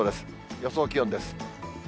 予想気温です。